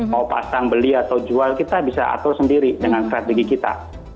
mau pasang beli atau jual kita bisa atur sendiri dengan strategi kita